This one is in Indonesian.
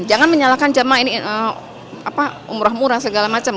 jangan menyalahkan jemaah ini umrah murah segala macam